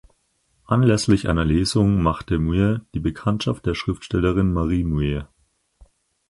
Anlässlich einer Lesung machte Muir die Bekanntschaft der Schriftstellerin Marie Muir.